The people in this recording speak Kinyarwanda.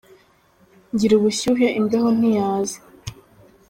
Ngira ubushyuhe imbeho ntiyaza